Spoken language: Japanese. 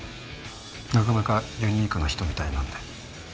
なかなかユニークな人みたいなんで。